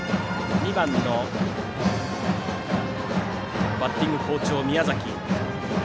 ２番、バッティング好調の宮崎。